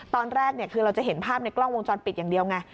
ตอนแรกคือเราจะเห็นภาพในกล้องวงจรปิดอย่างเดียวไง